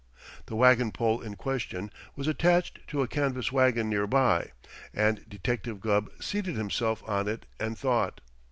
The wagon pole in question was attached to a canvas wagon near by, and Detective Gubb seated himself on it and thought.